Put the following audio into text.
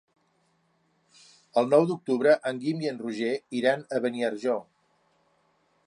El nou d'octubre en Guim i en Roger iran a Beniarjó.